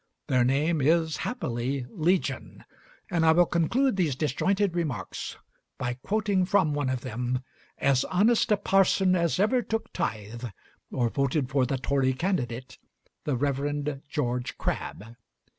Their name is happily legion, and I will conclude these disjointed remarks by quoting from one of them, as honest a parson as ever took tithe or voted for the Tory candidate, the Rev. George Crabbe.